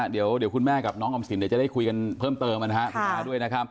เดี๋ยวคุณแม่กับน้องออมสินเดี๋ยวจะได้คุยกันเพิ่มเติมคุณน้าด้วยนะครับ